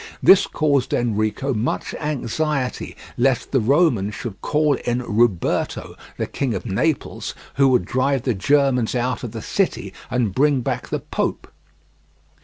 This caused Enrico much anxiety lest the Romans should call in Ruberto, the King of Naples, who would drive the Germans out of the city, and bring back the Pope.